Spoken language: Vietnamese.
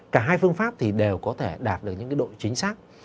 cả hai phương pháp thì đều có thể đạt được những độ chính xác